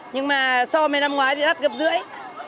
nhưng mà so với năm ngoái thì đắt gấp rưỡi